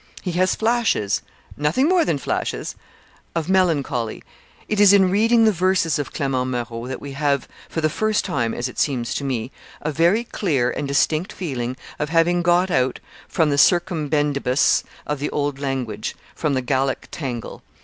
He has flashes, nothing more than flashes, of melancholy. ... It is in reading the verses of Clement Marot that we have, for the first time as it seems to me, a very clear and distinct feeling of having got out from the circumbendibus of the old language, from the Gallic tangle.